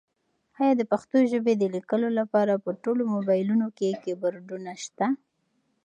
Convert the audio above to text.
ایا د پښتو ژبې د لیکلو لپاره په ټولو مبایلونو کې کیبورډونه شته؟